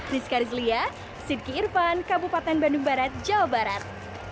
di sekarang di selia sidky irvan kabupaten bandung barat jawa barat